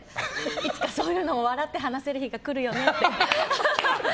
いつかそういうのを笑って話せる日が来るよねって。